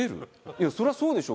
いやそりゃそうでしょ。